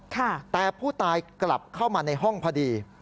แต่ผู้ตายกลับเข้ามาในห้องพอดี